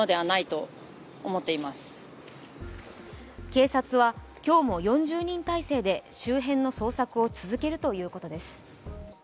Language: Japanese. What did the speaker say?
警察は今日も４０人態勢で周辺の捜索を続けるということです。